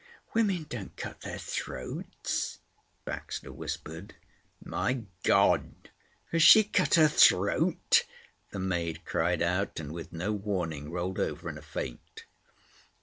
Women don't cut their throats," Baxter whispered. "My God! Has she cut her throat?" the maid cried out, and with no warning rolled over in a faint.